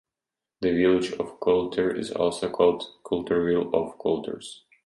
The village of Coulter is also called Coulterville or Coulters.